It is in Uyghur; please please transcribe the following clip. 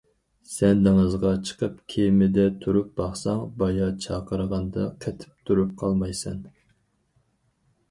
سەن دېڭىزغا چىقىپ كېمىدە تۇرۇپ باقساڭ، بايا چاقىرغاندا قېتىپ تۇرۇپ قالمايسەن.